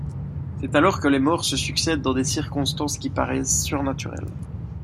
C'est alors que les morts se succèdent dans des circonstances qui paraissent surnaturelles.